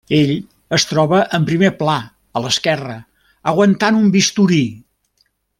Ell es troba en primer pla a l'esquerra, aguantant un bisturí.